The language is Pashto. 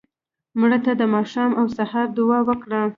مړه ته د ماښام او سهار دعا وکړه